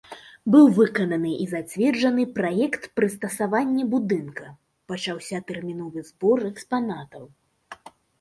Быў выкананы і зацверджаны праект прыстасавання будынка, пачаўся тэрміновы збор экспанатаў.